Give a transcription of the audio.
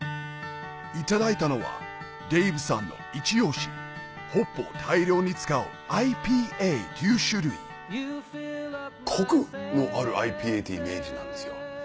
いただいたのはデイブさんのイチ押しホップを大量に使うＩＰＡという種類コクのあるＩＰＡってイメージなんですよ。